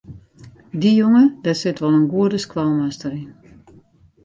Dy jonge dêr sit wol in goede skoalmaster yn.